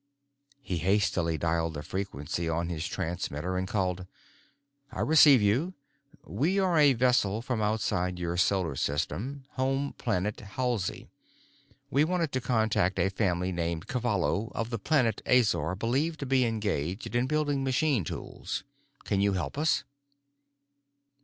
He hastily dialed the frequency on his transmitter and called, "I receive you. We are a vessel from outside your solar system, home planet Halsey. We want to contact a family named Cavallo of the planet Azor believed to be engaged in building machine tools. Can you help us?"